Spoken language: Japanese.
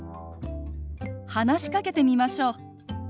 話しかけてみましょう。